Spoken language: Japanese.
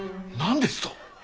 何ですと！